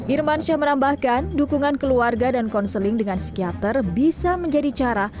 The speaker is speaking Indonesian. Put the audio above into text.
irmansyah menambahkan dukungan keluarga dan konseling dengan psikiater bisa menjadi cara